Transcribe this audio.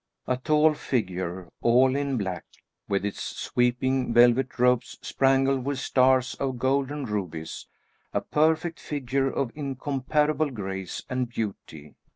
A tall figure, all in black, with its sweeping velvet robes spangled with stars of golden rubies, a perfect figure of incomparable grace and beauty.